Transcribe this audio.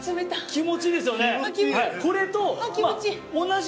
気持ちいいです。